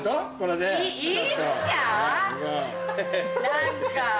何か。